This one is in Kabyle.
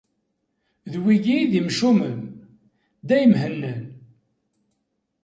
D wigi i d imcumen: dayem hennan.